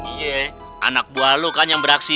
iya anak buah lo kan yang beraksi